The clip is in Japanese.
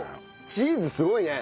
チーズすごいね。